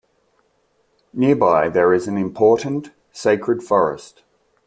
Nearby there is an important sacred forest.